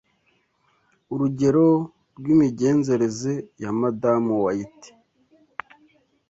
Urugero rw’Imigenzereze ya Madame Wayiti